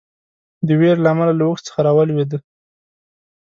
د وېرې له امله له اوښ څخه راولېده.